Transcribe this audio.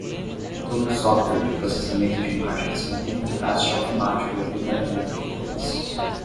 Todo software de processamento de imagens contém contraste automático e aprimoramento de cores.